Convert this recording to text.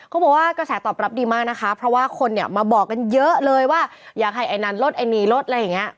เขาบอกก็แสดงตอบรับดีมากนะฮะเพราะคนเนี่ยมาบอกเยอะเลยว่าอยากให้ไอ่นั้นลดไอ่นี้ลดอะไรเงี้ย